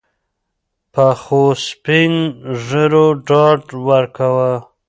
پخوسپین ږیرو ډاډ ورکاوه.